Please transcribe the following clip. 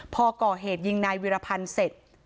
พอก่อเหตุยิงนายวิรพันธ์เสร็จ